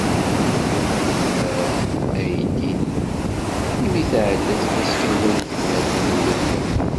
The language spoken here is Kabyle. Tumer ayendin, imi tεedda tfaska-a, di tegnatin iwulmen.